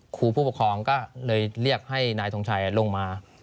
ครูผู้ปกครองก็เลยเรียกให้นายทงชัยลงมา